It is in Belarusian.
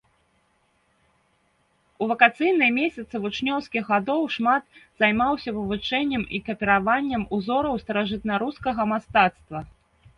У вакацыйныя месяцы вучнёўскіх гадоў шмат займаўся вывучэннем і капіраваннем узораў старажытнарускага мастацтва.